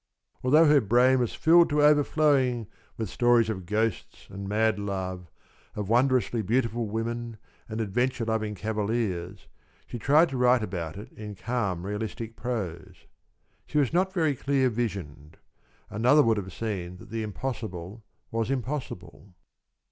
Although her brain was filled to overflowing with stories of ghosts and mad love, of wondrously beautiful women and adventure loving cavaliers, she tried to write about it in calm, realistic prose. She was not very clear visioned. Another would have seen that the impossible was impossible.